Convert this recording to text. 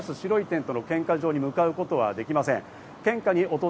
白いテントの献花場に向かうことはできません。